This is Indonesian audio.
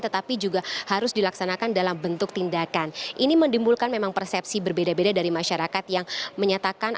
tetapi juga harus dilaksanakan dalam bentuk tindakan ini menimbulkan memang persepsi berbeda beda dari masyarakat yang menyatakan